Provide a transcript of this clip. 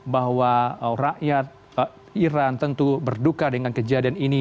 bahwa rakyat iran tentu berduka dengan kejadian ini